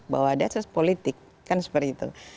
bahwa dia ses politik kan seperti itu